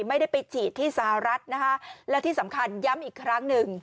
ไม่ได้ไปฉีดที่สหรัฐนะคะและที่สำคัญย้ำอีกครั้งหนึ่ง